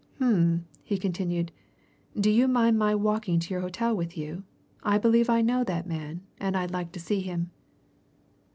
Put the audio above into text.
"Um!" he continued. "Do you mind my walking to your hotel with you? I believe I know that man, and I'd like to see him."